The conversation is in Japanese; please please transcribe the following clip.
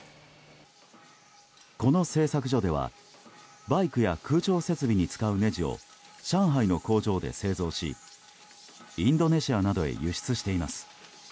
この製作所ではバイクや空調設備に使うねじを上海の工場で製造しインドネシアなどへ輸出しています。